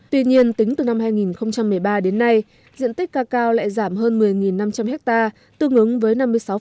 tuy nhiên tính từ năm hai nghìn một mươi ba đến nay diện tích ca cao lại giảm hơn một mươi năm trăm linh ha tương ứng với năm mươi sáu